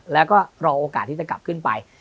แล้วก็รอโอกาสที่จะกลับขึ้นไป